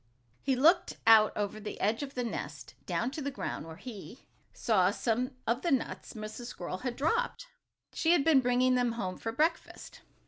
He looked out over the edge of the nest, down to the ground, where he saw some of the nuts Mrs. Squirrel had dropped. She had been bringing them home for breakfast.